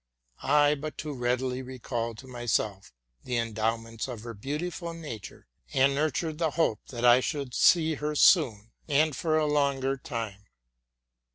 I but too readily recalled to myself the endowments of her beautiful nature, and nurtured the hope that I shovld see her soon, and for a longer time.